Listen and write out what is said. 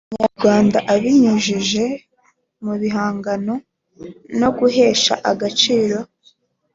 Nyarwanda abinyujije mu bihangano no guhesha agaciro